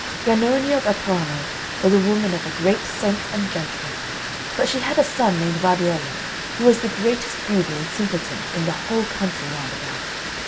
Grannonia of Aprano was a woman of a great sense and judgment, but she had a son named Vardiello, who was the greatest booby and simpleton in the whole country round about.